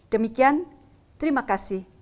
demikian terima kasih